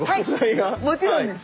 はいもちろんです。